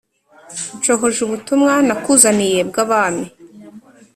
nshohoje ubutumwa nakuzaniye bw'abami